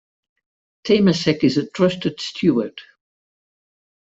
Temasek is a trusted steward.